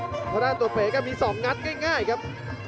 เพราะด้านตัวเต๋ก็มีส่องงัดง่ายครับ